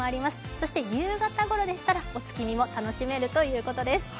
そして夕方ごろでしたら、お月見も楽しめるということです。